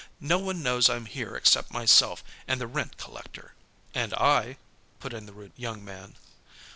No one knows I'm here except myself, and the rent collector.'" "And I," put in the rude young man.